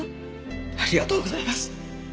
ありがとうございます！